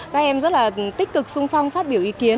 các em rất là tích cực sung phong phát biểu ý kiến